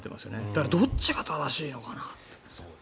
だからどっちが正しいのかなって。